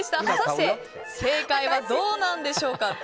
果たして、正解はどうなんでしょうか。